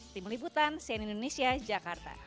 tim liputan sian indonesia jakarta